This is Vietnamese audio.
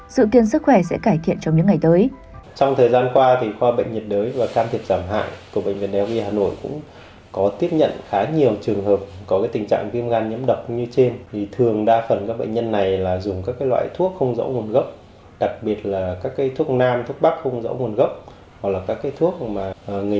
dự kiến sức khỏe sẽ cải thiện trong những ngày tới